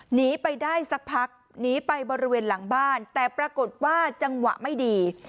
หนีไปได้สักพักหนีไปบริเวณหลังบ้านแต่ปรากฏว่าจังหวะไม่ดี